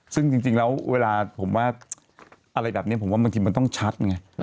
ซึ่งจริงแล้วเวลาผมว่าอะไรแบบนี้ผมว่าบางทีมันต้องชัดไง